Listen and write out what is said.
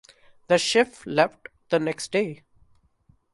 The ship left the next day.